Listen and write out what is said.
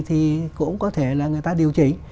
thì cũng có thể là người ta điều chỉnh